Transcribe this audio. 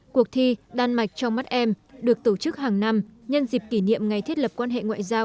cuộc thi đan mạch trong mắt em được tổ chức hàng năm nhân dịp kỷ niệm ngày thiết lập quan hệ ngoại giao